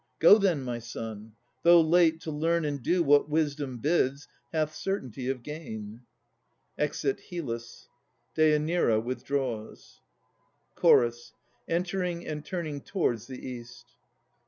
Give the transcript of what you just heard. Go then, my son. Though late, to learn and do What wisdom bids, hath certainty of gain. [Exit HYLLUS. DÊANIRA withdraws CHORUS (entering and turning towards the East).